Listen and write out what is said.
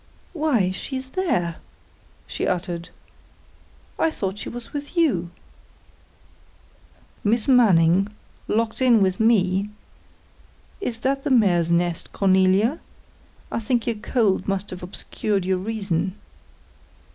"Why! She's there," she uttered. "I thought she was with you." "Miss Manning, locked in with me! Is that the mare's nest, Cornelia? I think your cold must have obscured your reason."